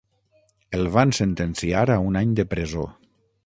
El van sentenciar a un any de presó.